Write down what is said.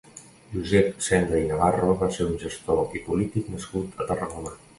Josep Sendra i Navarro va ser un gestor i polític nascut a Tarragona.